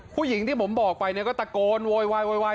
ผู้หญิงที่ผมบอกไปเนี่ยก็ตะโกนโวยวาย